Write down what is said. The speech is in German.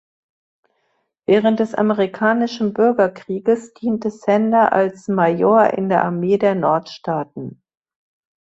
Während des amerikanischen Bürgerkrieges diente Sander als Major in der Armee der Nordstaaten.